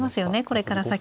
これから先。